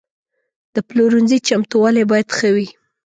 د پلورنځي چمتووالی باید ښه وي.